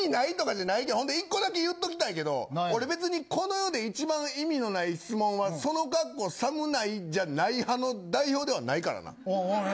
一個だけ言っておきたいけど俺、別にこの世で一番意味のない質問はその格好寒ないじゃない派の代表ではないからな。